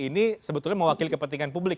ini sebetulnya mewakili kepentingan publik